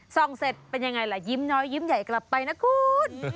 ส่งเสร็จเป็นยังไงล่ะยิ้มน้อยยิ้มใหญ่กลับไปนะคุณ